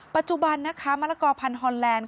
ปัจจุบันนะคะมะละกอพันธอนแลนด